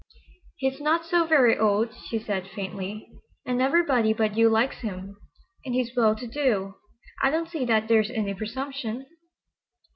"He's not so very old," she said faintly, "and everybody but you likes him—and he's well to do. I don't see that there's any presumption."